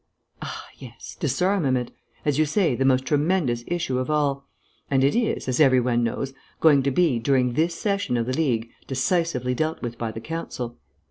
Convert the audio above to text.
"Ah, yes; disarmament. As you say, the most tremendous issue of all. And it is, as every one knows, going to be, during this session of the League, decisively dealt with by the Council.